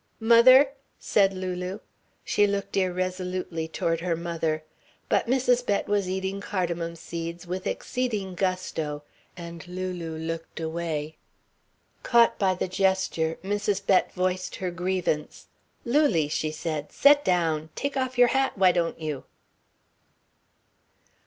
"Mother!" said Lulu. She looked irresolutely toward her mother. But Mrs. Bett was eating cardamom seeds with exceeding gusto, and Lulu looked away. Caught by the gesture, Mrs. Bett voiced her grievance. "Lulie," she said, "Set down. Take off your hat, why don't you?"